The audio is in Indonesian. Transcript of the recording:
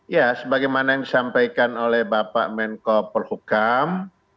ya sebagaimana yang disampaikan oleh bapak menko polhukam